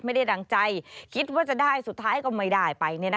ดั่งใจคิดว่าจะได้สุดท้ายก็ไม่ได้ไป